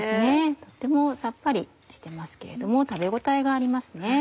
とってもさっぱりしてますけれども食べ応えがありますね。